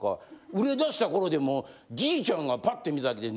売れ出した頃でもじいちゃんがパッて見ただけで。